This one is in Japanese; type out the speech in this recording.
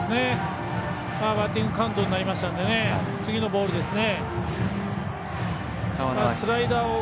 バッティングカウントになりましたので次のボールですね。